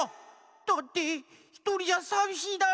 だってひとりじゃさびしいだろ！